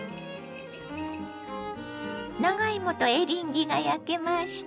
長芋とエリンギが焼けました。